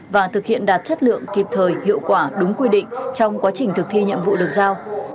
và thực hiện đạt chất lượng kịp thời hiệu quả đúng quy định trong quá trình thực thi nhiệm vụ được giao